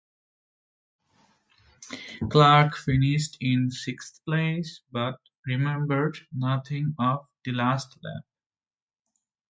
Clarke finished in sixth place, but remembered nothing of the last lap.